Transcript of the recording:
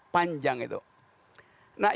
panjang itu nah